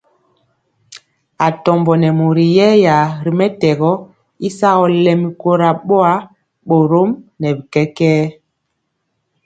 Atombo nɛ mori yɛya ri mɛtɛgɔ y sagɔ lɛmi kora boa, borom bi kɛkɛɛ.